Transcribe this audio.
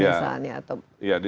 ya pertama anggaran itu di mana